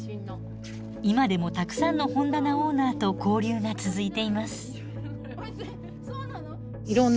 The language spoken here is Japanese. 今でもたくさんの本棚オーナーと交流が続いています。